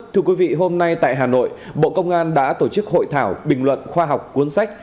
thưa quý vị hôm nay tại hà nội bộ công an đã tổ chức hội thảo bình luận khoa học cuốn sách